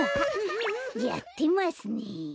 やってますね。